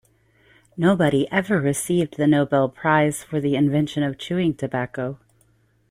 Nobody ever received the Nobel prize for the invention of chewing tobacco.